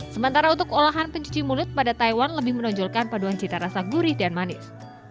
sementara untuk olahan pencuci mulut pada taiwan lebih menonjolkan paduan cita rasa gurih dan manis